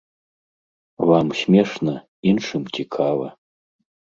Вам смешна, іншым цікава.